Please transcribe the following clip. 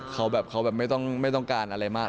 เขาแบบไม่ต้องการอะไรมาก